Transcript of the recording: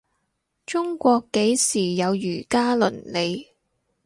中國幾時有儒家倫理